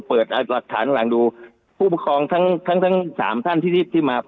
เปิดหลักฐานข้างหลังดูผู้ปกครองทั้ง๓ท่านที่มา